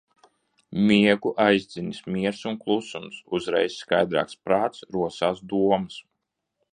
Miegu aizdzinis miers un klusums. Uzreiz skaidrāks prāts, rosās domas.